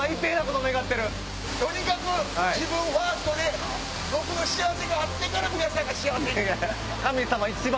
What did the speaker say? とにかく自分ファーストで僕の幸せがあってから皆さんが幸せになる。